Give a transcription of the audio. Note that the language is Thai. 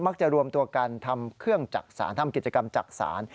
จะรวมตัวกันทำเครื่องจักษานทำกิจกรรมจักษาน